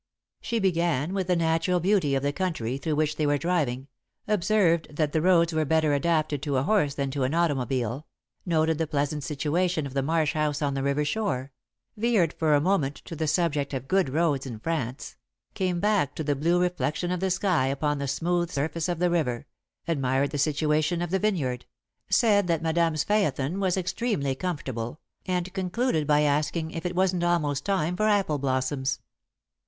She began with the natural beauty of the country through which they were driving, observed that the roads were better adapted to a horse than to an automobile, noted the pleasant situation of the Marsh house on the river shore, veered for a moment to the subject of good roads in France, came back to the blue reflection of the sky upon the smooth surface of the river, admired the situation of the vineyard, said that Madame's phaeton was extremely comfortable, and concluded by asking if it wasn't almost time for apple blossoms. [Sidenote: "I Just Knew!"